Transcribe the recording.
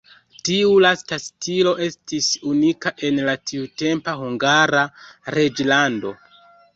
Tiu lasta stilo estis unika en la tiutempa Hungara reĝlando.